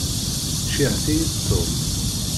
Ceyyɛet-iyi-d Tom.